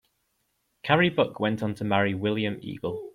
Carrie Buck went on to marry William Eagle.